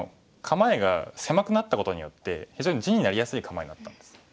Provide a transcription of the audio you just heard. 構えが狭くなったことによって非常に地になりやすい構えになったんです。